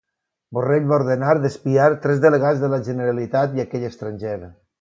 Borrell va ordenar d'espiar tres delegats de la Generalitat i aquell estranger.